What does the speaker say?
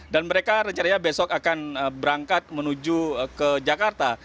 dan mereka rencananya besok akan berangkat menuju ke jakarta